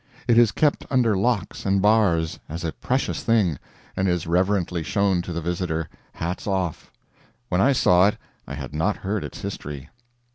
It is kept under locks and bars, as a precious thing, and is reverently shown to the visitor, "hats off." When I saw it I had not heard its history.